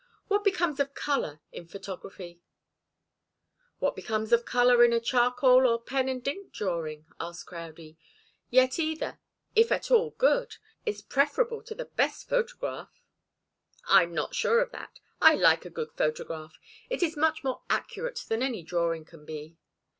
"What becomes of colour in photography?" "What becomes of colour in a charcoal or pen and ink drawing?" asked Crowdie. "Yet either, if at all good, is preferable to the best photograph." "I'm not sure of that. I like a good photograph. It is much more accurate than any drawing can be."